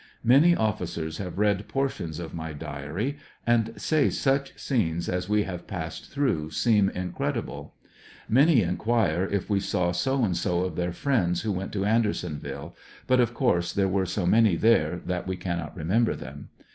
Many officers have read portions of my diary, and say such scenes as we have passed through seem incredible. Many inquire if we saw so and so of their friends who went to Andersonville, but of course there were so many there that we cannot remember them.